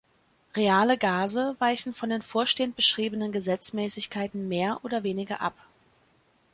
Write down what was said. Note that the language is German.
Reale Gase weichen von den vorstehend beschriebenen Gesetzmäßigkeiten mehr oder weniger ab.